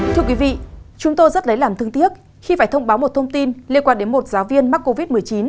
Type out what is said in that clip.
thưa quý vị chúng tôi rất lấy làm thương tiếc khi phải thông báo một thông tin liên quan đến một giáo viên mắc covid một mươi chín